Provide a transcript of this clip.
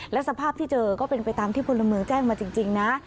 และสภาพที่เจอก็เป็นไปตามที่พลเมืองแจ้งมาจริงนะ